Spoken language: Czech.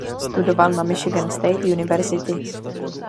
Studoval na Michigan State University.